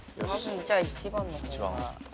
じゃあ１番の方が。